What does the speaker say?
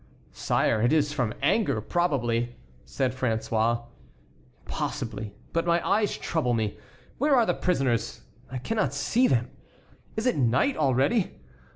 "Sire, it is from anger, probably," said François. "Possibly; but my eyes trouble me. Where are the prisoners? I cannot see them. Is it night already?